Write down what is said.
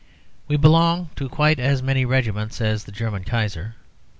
We belong to quite as many regiments as the German Kaiser.